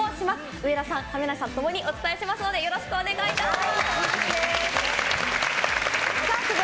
上田さん、亀梨さんともお伝えしますのでよろしくお願いいたします。